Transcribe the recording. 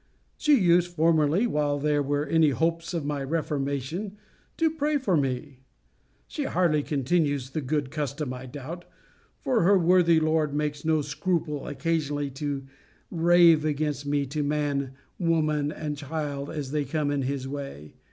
She used formerly, while there were any hopes of my reformation, to pray for me. She hardly continues the good custom, I doubt; for her worthy lord makes no scruple occasionally to rave against me to man, woman, and child, as they come in his way.